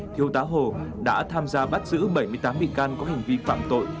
thiếu tá hồ đã tham gia bắt giữ bảy mươi tám vị can có hành vi phạm tội